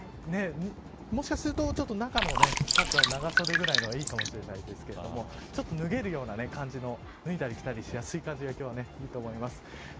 もしかするとちょっと中のシャツは長袖ぐらいの方がいいかもしれないですけれどもちょっと脱げるような感じの脱いだり着たりしやすい感じがいいと思います。